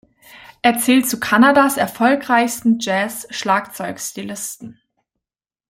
Er zählt zu Kanadas erfolgreichsten Jazz-Schlagzeugstylisten.